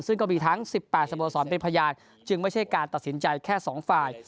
ซึ่งก็มีทั้ง๑๘สโมสรเป็นพยานจึงไม่ใช่การตัดสินใจแค่๒ฝ่าย